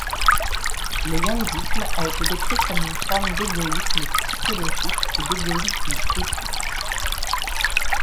Le yangisme a été décrit comme une forme d'égoïsme psychologique et d'égoïsme éthique.